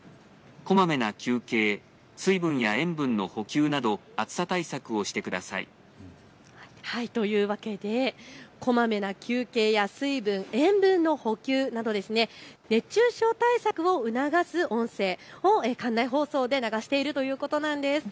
こまめな休憩、水分や塩分の補給など暑さ対策をしてください。というわけでこまめな休憩や水分、塩分の補給など熱中症対策を促す音声を館内放送で流しているということなんです。